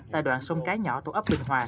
tại đoạn sông cái nhỏ tổ ấp bình hoàng